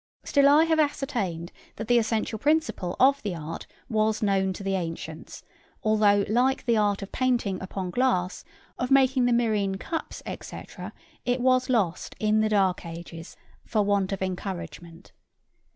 Still I have ascertained that the essential principle of the art was known to the ancients, although like the art of painting upon glass, of making the myrrhine cups, &c., it was lost in the dark ages for want of encouragement.